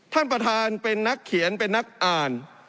ท่านประธานเป็นนักเขียนเป็นนักอ่าน